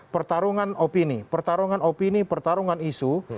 pertarungan opini pertarungan isu